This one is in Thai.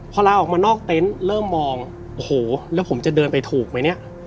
พอลาออกมานอกเต็นต์เริ่มมองโอ้โหแล้วผมจะเดินไปถูกไหมเนี่ย